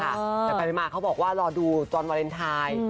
แต่ไปมาเขาบอกว่ารอดูตอนวาเลนไทย